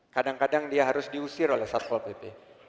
kadang kadang dia harus diusir oleh satpol pp